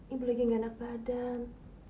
ibu lagi gak enak badan